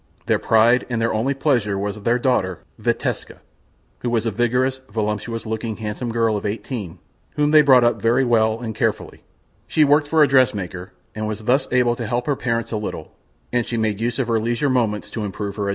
Their pride, and their only pleasure, was their daughter Viteska, who was a vigorous, voluptuous looking, handsome girl of eighteen, whom they brought up very well and carefully. She worked for a dress maker, and was thus able to help her parents a little, and she made use of her leisure moments to improve her education, and especially her music.